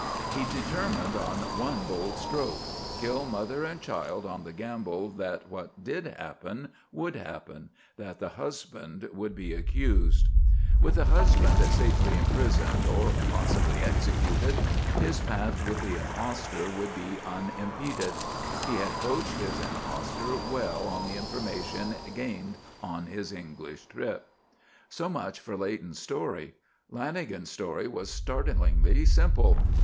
He determined on one bold stroke: kill mother and child on the gamble that what did happen, would happen: that the husband would be accused. With the husband safely imprisoned, or possibly executed, his path with the impostor would be unimpeded. He had coached his impostor well on the information gained on his English trip. So much for Leighton's story. Lanagan's story was startlingly simple.